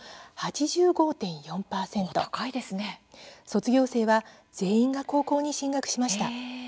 卒業生は全員が高校に進学しました。